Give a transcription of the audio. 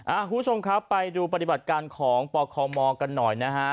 คุณผู้ชมครับไปดูปฏิบัติการของปคมกันหน่อยนะฮะ